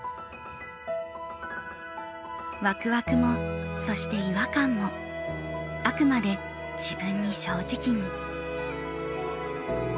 ワクワクもそして違和感もあくまで自分に正直に。